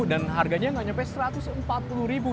dan harganya nggak sampai satu ratus empat puluh rupiah